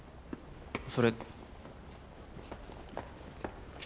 それ。